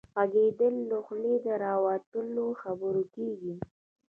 ږغيدل له خولې د راوتلو خبرو کيږي.